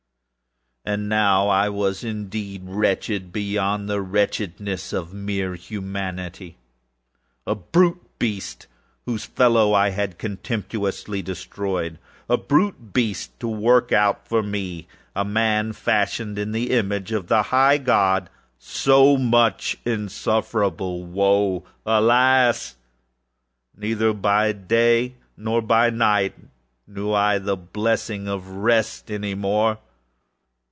And now was I indeed wretched beyond the wretchedness of mere Humanity. And _a brute beast _âwhose fellow I had contemptuously destroyedâ_a brute beast_ to work out for _me_âfor me a man, fashioned in the image of the High Godâso much of insufferable woe! Alas! neither by day nor by night knew I the blessing of rest any more!